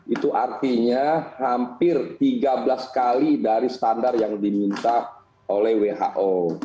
itu artinya hampir tiga belas kali dari standar yang diminta oleh who